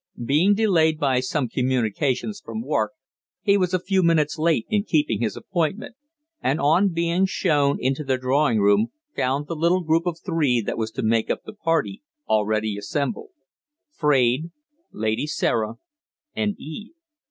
Being delayed by some communications from Wark, he was a few minutes late in keeping his appointment, and on being shown into the drawing room found the little group of three that was to make up the party already assembled Fraide, Lady Sarah and Eve.